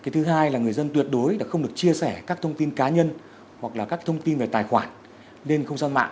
thứ hai là người dân tuyệt đối không được chia sẻ các thông tin cá nhân hoặc là các thông tin về tài khoản lên không gian mạng